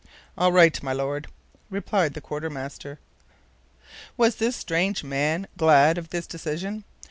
"All right, my Lord," replied the quartermaster. Was this strange man glad of this decision?